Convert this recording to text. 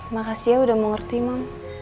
makasih ya udah mau ngerti mama